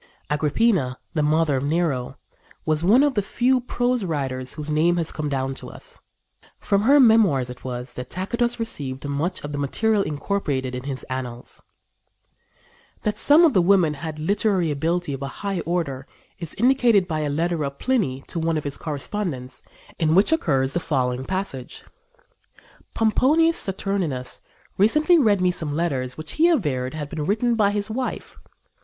Agrippina, the mother of Nero, was one of the few prose writers whose name has come down to us. From her memoirs it was that Tacitus received much of the material incorporated in his Annals. That some of the women had literary ability of a high order is indicated by a letter of Pliny to one of his correspondents, in which occurs the following passage: "Pomponius Saturninus recently read me some letters which he averred had been written by his wife.